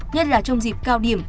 nhất là trong dịp cao điểm